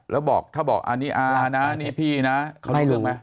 แล้วบอกถ้าบอกอันนี้อานะนี่พี่นะเขาได้เรื่องไหม